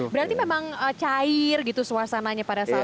berarti memang cair gitu suasananya pada saat itu